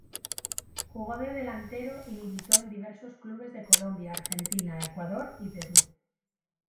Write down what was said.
Jugó de delantero y militó en diversos clubes de Colombia, Argentina, Ecuador y Perú.